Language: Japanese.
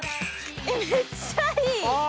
めっちゃいい！